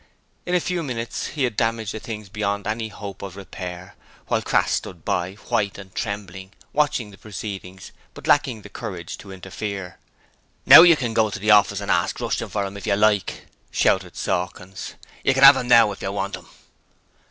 In a few minutes he had damaged the things beyond hope of repair, while Crass stood by, white and trembling, watching the proceedings but lacking the courage to interfere. 'Now go to the office and ask Rushton for 'em, if you like!' shouted Sawkins. 'You can 'ave 'em now, if you want 'em.'